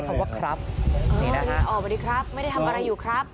เพราะว่าครับนี่แหละสวัสดีครับไม่ได้ทำอะไรอยู่ครับ